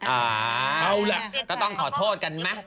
อาเอาแหละก็ต้องขอโทษกันมั้ย